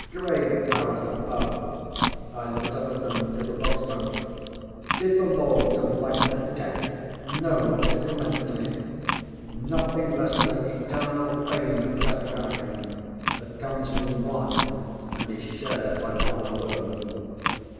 Great Powers above I looked up at them through the fog smoke did the Lords of Life and Death know what this meant to me? Nothing less than eternal fame of the best kind; that comes from One, and is shared by one alone.